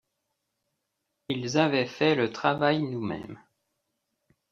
Ils avaient fait le travail nous-mêmes.